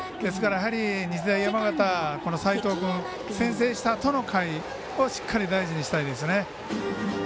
やはり日大山形、この齋藤君先制したあとの回をしっかり大事にしたいですね。